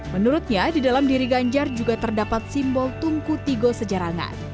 menurutnya di dalam diri ganjar juga terdapat simbol tungku tigo sejarangan